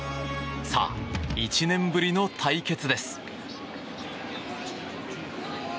さあ、１年ぶりの対決です。